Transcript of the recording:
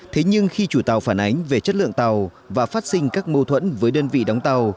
thế nhưng khi chủ tàu phản ánh về chất lượng tàu và phát sinh các mâu thuẫn với đơn vị đóng tàu